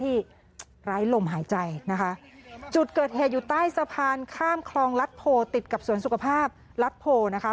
ไร้ลมหายใจนะคะจุดเกิดเหตุอยู่ใต้สะพานข้ามคลองรัฐโพติดกับสวนสุขภาพรัฐโพนะคะ